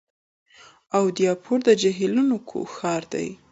اودایپور د جهیلونو ښار دی.